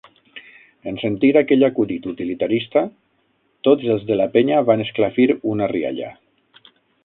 En sentir aquell acudit utilitarista, tots els de la penya van esclafir una rialla.